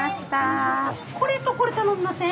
これとこれ頼みません？